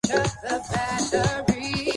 スペインの首都はマドリードである